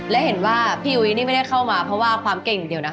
และเห็นว่าพี่อุ๋ยนี่ไม่ได้เข้ามาเพราะว่าความเก่งอย่างเดียวนะคะ